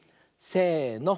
せの。